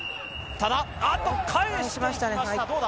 ただ、あっと、返しました、どうだ？